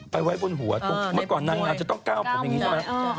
ไว้บนหัวตรงเมื่อก่อนนางงามจะต้องก้าวผมอย่างนี้ใช่ไหม